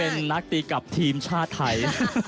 เป็นนักตีกับทีมชาติไทย